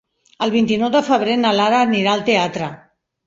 El vint-i-nou de febrer na Lara anirà al teatre.